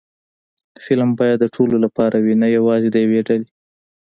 فلم باید د ټولو لپاره وي، نه یوازې د یوې ډلې